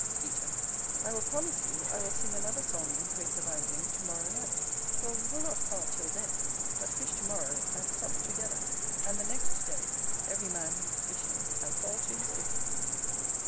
Peter. I will promise you, I will sing another song in praise of Angling to morrow night; for we will not part till then; but fish to morrow, and sup together: and the next day every man leave fishing, and fall to his business.